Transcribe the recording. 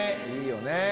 いいよね。